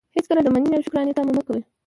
هېڅکله د منني او شکرانې طمعه مه کوئ!